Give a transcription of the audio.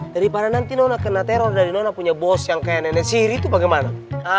daripada nanti nona kena teror dari nona punya bos yang kayak nenek siri itu bagaimana